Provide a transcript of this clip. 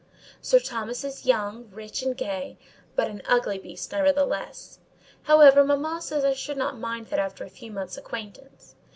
Sir Thomas is young, rich, and gay; but an ugly beast, nevertheless: however, mamma says I should not mind that after a few months' acquaintance.